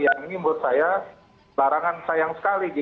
yang ini menurut saya larangan sayang sekali